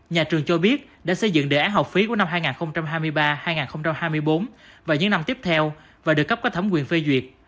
nhà trường cho biết đã xây dựng đề án học phí của năm hai nghìn hai mươi ba hai nghìn hai mươi bốn và những năm tiếp theo và được cấp có thẩm quyền phê duyệt